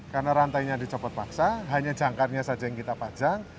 karena rantainya dicopot paksa hanya jangkarnya saja yang kita pajang